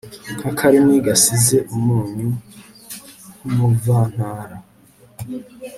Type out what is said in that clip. n'akarimi gasize umunyu k'umuvantara